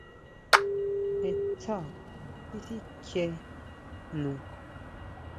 Jé sjá tisikjien jnu.